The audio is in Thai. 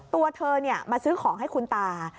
ตัวเธอมาซื้อของให้คุณตา